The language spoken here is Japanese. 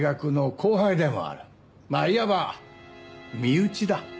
まあいわば身内だ。